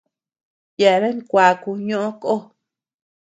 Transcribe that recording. Yeabean kuaku ñoʼo kó.